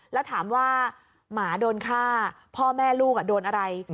แล้วถามว่าหมาโดนฆ่าพ่อแม่ลูกโดนอะไร